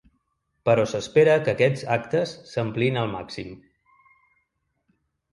Però s’espera que aquests actes s’ampliïn al màxim.